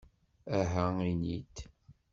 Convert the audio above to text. Aha, ini-d!